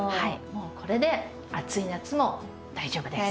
もうこれで暑い夏も大丈夫です。